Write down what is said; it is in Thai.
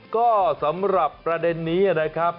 ก็สำหรับประเด็นนี้นะครับ